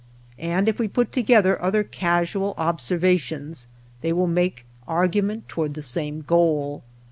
And if we put together other casual obser vations they will make argument toward the same goal.